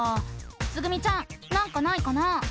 つぐみちゃんなんかないかな？